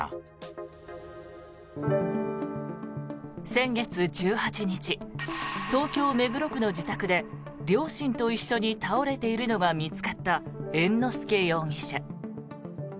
先月１８日東京・目黒区の自宅で両親と一緒に倒れているのが見つかった猿之助容疑者。